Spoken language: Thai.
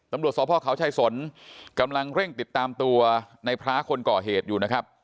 ตำรวจสพเขาชายสนกำลังเร่งติดตามตัวในพระคนก่อเหตุอยู่นะครับ